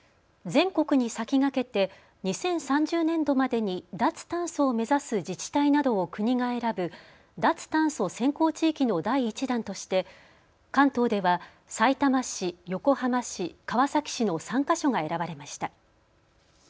全国に先駆けて２０３０年度までに脱炭素を目指す自治体などを国が選ぶ脱炭素先行地域の第１弾として、関東では、さいたま市、横浜市、川崎市の３か所が選ばれました。